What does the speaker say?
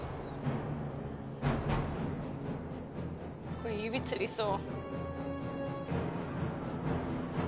これ指つりそう。